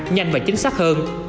nhanh và chính xác hơn